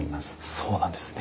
そうなんですね。